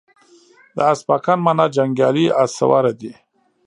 د اسپاگان مانا جنگيالي اس سواره دي